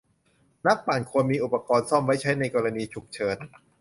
นักปั่นควรมีอุปกรณ์ซ่อมไว้ใช้ในกรณีฉุกเฉิน